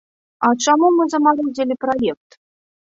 А чаму мы замарозілі праект?